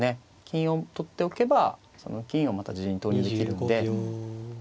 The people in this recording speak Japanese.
金を取っておけばその金をまた自陣に投入できるんで。